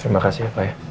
terima kasih ya payah